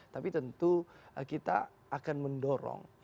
tapi tentu kita akan mendorong